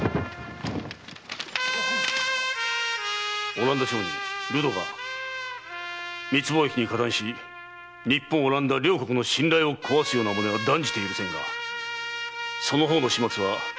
オランダ商人ルドガー密貿易に加担し日本オランダ両国の信頼を壊すような真似は断じて許せんがその方の始末はカピタンに任せる。